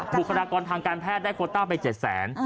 บุคลากรทางการแพทย์ได้โคตรตั้งไป๗๐๐๐๐๐บาท